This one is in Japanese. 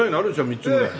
３つぐらい。